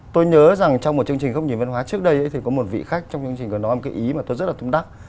tôi nhớ rằng trong một chương trình khóc nhìn văn hóa trước đây ấy thì có một vị khách trong chương trình có nói một cái ý mà tôi rất là túng đắc